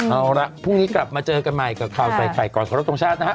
เอาละพรุ่งนี้กลับมาเจอกันใหม่กับข่าวใส่ไข่ก่อนขอรบทรงชาตินะฮะ